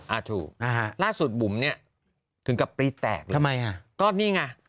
อ่ะถูกแล่งสุดบุ๋มเนี้ยถึงกับปีแตกค่ะทำไมอ่ะก็นี่ไง